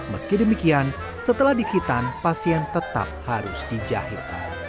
meski demikian setelah di hitan pasien tetap harus dijahit